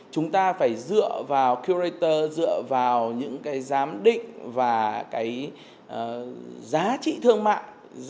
chúng ta phải dựa vào curator dựa vào những cái giám định và cái giá trị thương mạng